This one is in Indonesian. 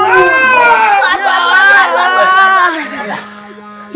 tahan tahan tahan